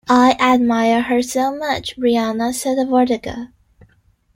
"I admire her so much," Rihanna said of Ortega.